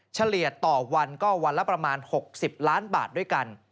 เฉลี่ยต่อวันก็วันละประมาณ๖๐ล้านบาทด้วยกัน